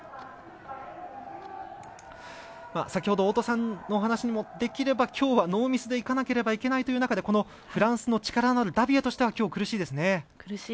太田さんのお話にもできればきょうはノーミスでいかなければいかないというところでフランスの力のあるダビエとしてはきょう苦しいですね。